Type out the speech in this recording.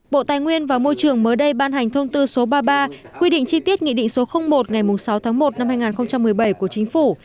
bộ tài nguyên và môi trường mới đây ban hành thông tư số ba mươi ba quy định chi tiết nghị định số một ngày sáu tháng một năm hai nghìn một mươi bảy của chính phủ